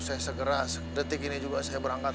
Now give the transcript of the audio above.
saya segera detik ini juga saya berangkat